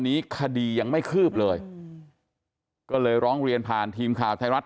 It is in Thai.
คดียังไม่คืบเลยก็เลยร้องเรียนผ่านทีมข่าวไทยรัฐ